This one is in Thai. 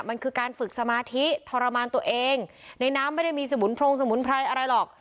มันคือการฝึกสมาธิทรมานตัวเองในน้ำไม่ได้มีสมุนพรงสมุนไพรอะไรหรอก